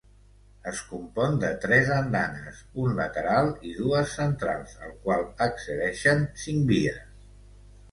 Es compon de tres andanes, un lateral i dues centrals al qual accedeixen cinc vies.